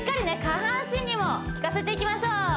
下半身にも効かせていきましょう